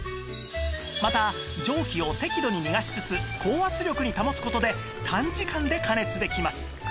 また蒸気を適度に逃がしつつ高圧力に保つ事で短時間で加熱できます